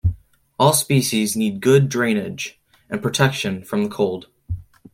All species need good drainage and protection from the cold.